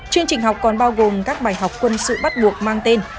chương trình học còn bao gồm các bài học quân sự bắt buộc mang tên